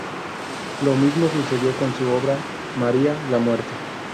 Lo mismo sucedió con su obra "María la Muerte".